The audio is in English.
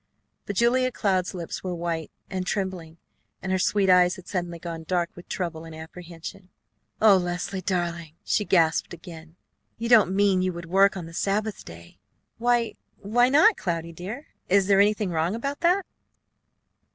But Julia Cloud's lips were white and trembling, and her sweet eyes had suddenly gone dark with trouble and apprehension. "O Leslie, darling child!" she gasped again. "You don't mean you would work on the Sabbath day!" "Why, why not, Cloudy, dear? Is there anything wrong about that?"